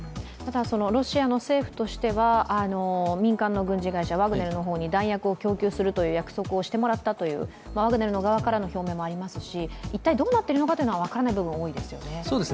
ロシアの政府としては、民間の軍事会社、ワグネルの方に弾薬を供給するという約束をしてもらったというワグネルの表明もありますし、一体どうなっているのかっていうのは分からない部分が多いですよね。